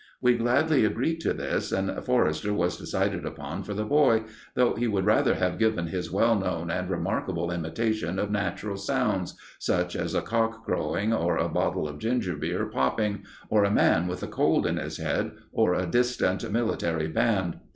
We gladly agreed to this, and Forrester was decided upon for the boy, though he would rather have given his well known and remarkable imitations of natural sounds, such as a cock crowing, or a bottle of ginger beer popping, or a man with a cold in his head, or a distant military band.